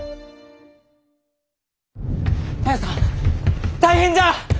綾さん大変じゃ！